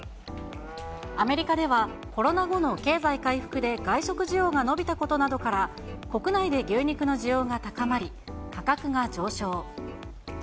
アメリカでは、コロナ後の経済回復で外食需要が伸びたことなどから、国内で牛肉の需要が高まり、価格が上昇。